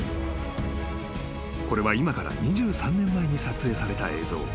［これは今から２３年前に撮影された映像］